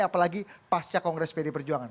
apalagi pasca kongres pdi perjuangan